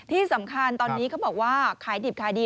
ที่สำคัญตอนนี้เขาบอกว่าขายดิบขายดี